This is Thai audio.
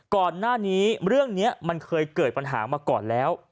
ก่อนหน้านี้เรื่องนี้มันเคยเกิดปัญหามาก่อนแล้ว